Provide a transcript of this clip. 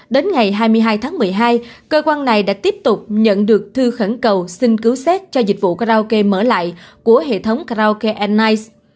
đến ngày hai mươi hai tháng một mươi hai cơ quan này đã tiếp tục nhận được thư khẩn cầu xin cứu xét cho dịch vụ karaoke mở lại của hệ thống karaoke ange